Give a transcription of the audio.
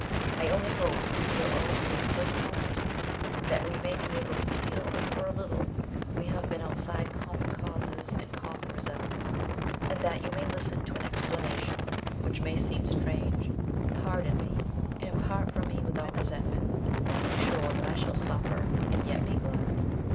I only hope we are all three so constituted that we may be able to feel that for a little we have been outside common causes and common results, and that you may listen to an explanation which may seem strange, pardon me, and part from me without resentment, being sure that I shall suffer, and yet be glad."